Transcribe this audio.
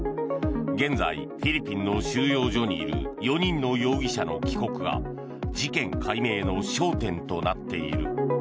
現在、フィリピンの収容所にいる４人の容疑者の帰国が事件解明の焦点となっている。